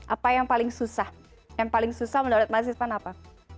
apa yang paling susah yang paling susah menurut mahasiswa apa